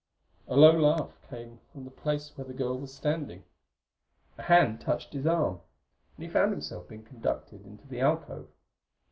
A low laugh came from the place where the girl was standing. A hand touched his arm, and he found himself being conducted into the alcove.